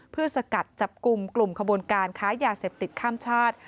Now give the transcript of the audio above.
เพื่อสกัดจับกลุ่มกลุ่มขบวนการค้ายาเสพติดข้ามชาติ